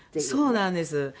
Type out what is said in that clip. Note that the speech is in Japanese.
そうなんです。